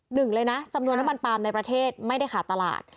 หนึ่งเลยนะจำนวนน้ำมันปลามในประเทศไม่ได้ขาดตลาด